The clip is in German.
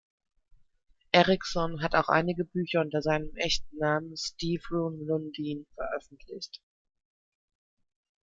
Erikson hat auch einige Bücher unter seinem echten Namen Steve Rune Lundin veröffentlicht.